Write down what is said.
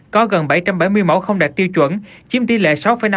có gần bảy trăm bảy mươi mẫu không đạt tiêu chuẩn chiếm tỷ lệ sáu năm mươi bảy